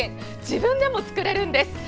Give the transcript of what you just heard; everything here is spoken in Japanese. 自分でも作れるんです。